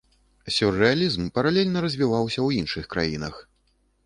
Сюррэалізм паралельна развіваўся ў іншых краінах.